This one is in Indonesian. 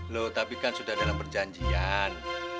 loh tapi kan sudah dalam perjanjian